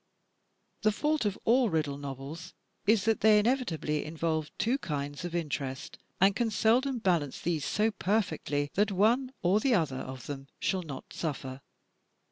"The fault of all riddle novels is that they inevitably involve two kinds of interest, and can seldom balance these so perfectly that one or the other of them shall not suflFer.